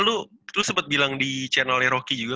lo sempet bilang di channelnya rocky juga